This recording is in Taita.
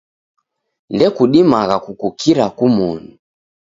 Ndekudimagha kukukira kumoni.